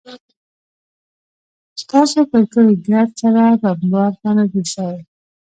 ستاسو پر کلي ګرد سره بمبارد لا نه دى سوى.